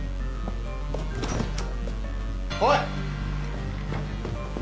おい！